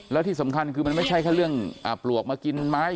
แล้วที่สำคัญคือมันไม่ใช่แค่เรื่องปลวกมากินไม้